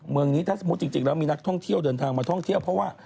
เมืองนี้ถ้าสมมุติจริงแล้วมีนักท่องเที่ยวเดินทางมาท่องเที่ยวเพราะว่า